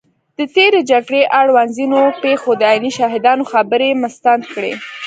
د تېرې جګړې اړوند ځینو پېښو د عیني شاهدانو خبرې مستند کړي